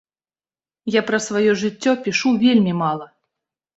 Я пра сваё жыццё пішу вельмі мала.